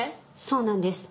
そうなんです。